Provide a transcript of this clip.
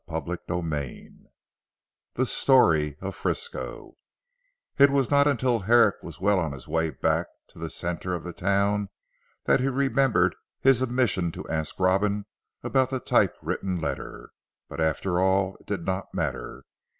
CHAPTER XXIV THE STORY OF FRISCO It was not until Herrick was well on his way back to the centre of the Town, that he remembered his omission to ask Robin about the typewritten letter. But after all, it did not matter.